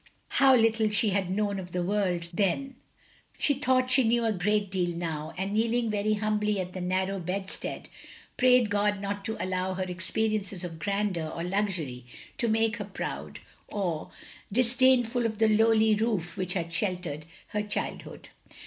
How little she had known of the world then! She thought she knew a great deal now, and kneeling very himibly by the narrow bedstead, prayed God not to allow her experiences of grandeur or luxury to make her proud, or dis 148 THE LONELY LADY dainful of the lowly roof which had sheltered her childhood.